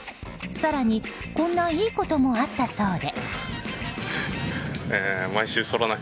更に、こんないいこともあったそうで。